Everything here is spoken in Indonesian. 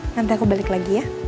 nanti aku balik lagi ya